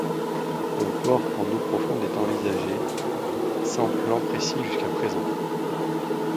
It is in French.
Un port en eaux profondes est envisagé, sans plans précis jusqu'à présent.